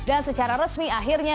dan secara resmi akhirnya